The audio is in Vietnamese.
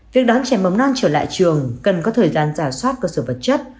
việc đón trẻ mầm non trở lại trường cần có thời gian giả soát cơ sở vật chất